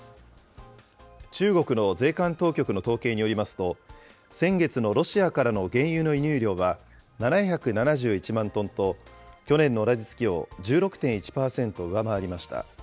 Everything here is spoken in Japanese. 中国の税関当局の統計によりますと、先月のロシアからの原油の輸入量は７７１万トンと、去年の同じ月を１６．１％上回りました。